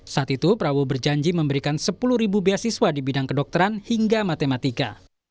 saat itu prabowo berjanji memberikan sepuluh beasiswa di bidang kedokteran hingga matematika